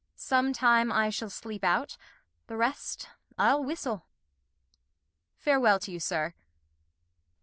Some Time I shall sleep out, the rest I'll whistle : Fare well t'ye. Sir.